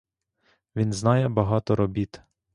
Він знає багато робіт.